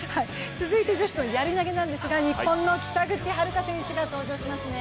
続いて女子のやり投なんですが、日本の北口榛花選手が登場します。